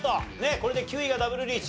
これで９位がダブルリーチ。